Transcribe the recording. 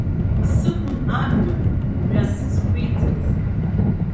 Сықәын амҩа, мҩа сызқәиҵаз.